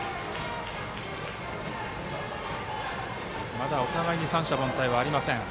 まだお互いに三者凡退はありません。